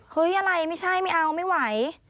๓๐๔๐๔๐เฮ้ยอะไรไม่ใช่ไม่เอาไม่ไหว